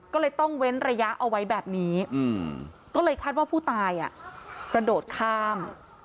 ก็เลยต้องเว้นระยะเอาไว้แบบนี้ก็เลยคาดว่าผู้ตายกระโดดข้าม